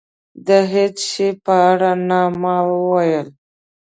د هېڅ شي په اړه نه. ما وویل.